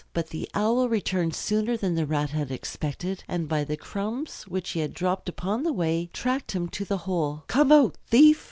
But the Owl returned sooner than the Rat had expected, and by the crumbs which he had dropped upon the way tracked him to the hole. "Come out, thief!"